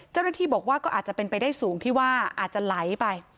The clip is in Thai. เจ้าหน้าที่บอกว่าก็อาจจะเป็นไปได้สูงที่ว่าอาจจะไหลไป